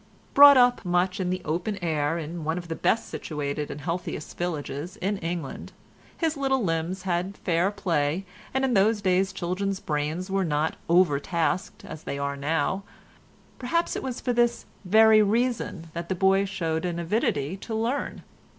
Brought up much in the open air in one of the best situated and healthiest villages in England, his little limbs had fair play, and in those days children's brains were not overtasked as they now are; perhaps it was for this very reason that the boy showed an avidity to learn.